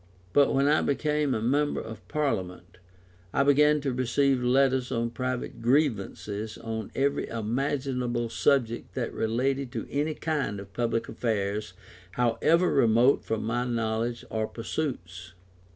But when I became a member of Parliament. I began to receive letters on private grievances and on every imaginable subject that related to any kind of public affairs, however remote from my knowledge or pursuits.